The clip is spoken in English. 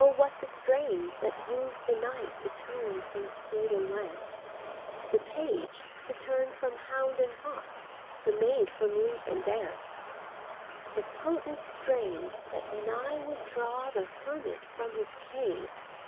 what the strain that woos the knight To turn from steed and lance, The page to turn from hound and hawk, The maid from lute and dance ; The potent strain, that nigh would draw The hermit from his cave.